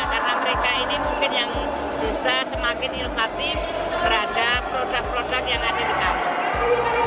karena mereka ini mungkin yang bisa semakin inovatif terhadap produk produk yang ada di kabupaten gresik